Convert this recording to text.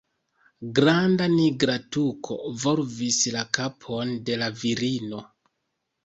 Granda nigra tuko volvis la kapon de la virino.